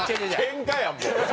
ケンカやんもう。